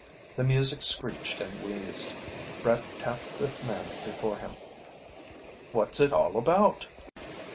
The music screeched and wheezed. Brett tapped the man before him. "What's it all about...?"